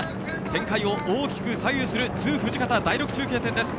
展開を大きく左右する津・藤方第６中継点です。